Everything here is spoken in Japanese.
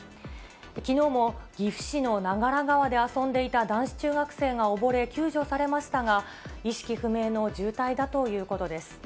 きのうも岐阜市の長良川で遊んでいた男子中学生が溺れ、救助されましたが、意識不明の重体だということです。